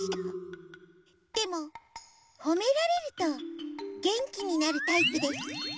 でもほめられるとげんきになるタイプです。